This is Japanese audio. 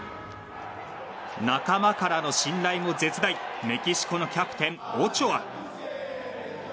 仲間からの心配も絶大メキシコのキャプテンオチョア。